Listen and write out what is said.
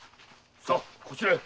さあこちらへ！